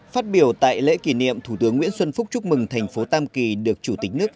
phát biểu tại lễ kỷ niệm thủ tướng nguyễn xuân phúc chúc mừng thành phố tam kỳ được chủ tịch nước